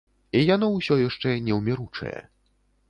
І яно ўсё яшчэ неўміручае.